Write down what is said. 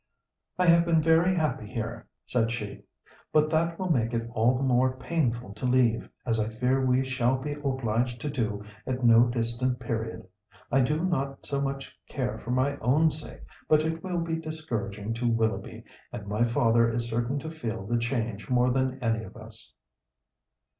"I have been very happy here," said she; "but that will make it all the more painful to leave, as I fear we shall be obliged to do at no distant period. I do not so much care for my own sake, but it will be discouraging to Willoughby, and my father is certain to feel the change more than any of us."